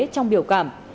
trong biểu cảm